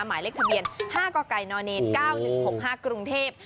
หมายเลขทะเบียน๕กกน๙๑๖๕กรุงเทพฯ